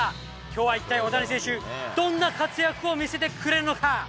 きょうは一体、大谷選手、どんな活躍を見せてくれるのか。